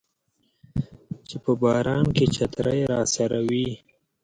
چې په باران کې چترۍ راسره وي